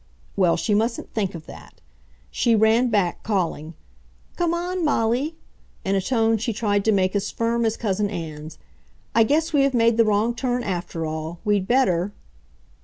Well, she mustn't think of that. She ran back, calling, "Come on, Molly," in a tone she tried to make as firm as Cousin Ann's. "I guess we have made the wrong turn after all. We'd better